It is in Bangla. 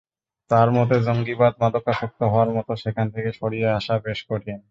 তাঁর মতে, জঙ্গিবাদ মাদকাসক্ত হওয়ার মতো, সেখান থেকে সরিয়ে আনা বেশ কঠিন।